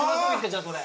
じゃあそれ。